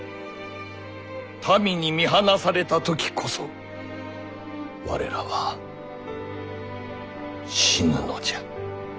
民に見放された時こそ我らは死ぬのじゃ。